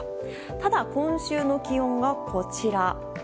ただ、今週の気温がこちら。